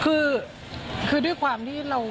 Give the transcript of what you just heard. คือด้วยความที่เรา